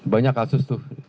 banyak kasus tuh